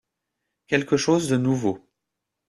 Quelque chose de nouveau.